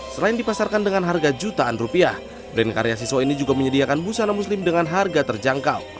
selain dipasarkan dengan harga jutaan rupiah brand karya siswa ini juga menyediakan busana muslim dengan harga terjangkau